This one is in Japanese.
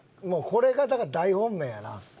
もうこれがだから大本命やな。